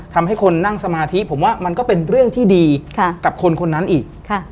ทำให้คนนั่งสมาธิผมว่ามันก็เป็นเรื่องที่ดีกับคนคนนั้นอีก